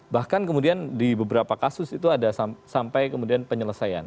bahkan kemudian di beberapa kasus itu ada sampai kemudian penyelesaian